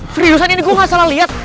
seriusan ini gue gak salah lihat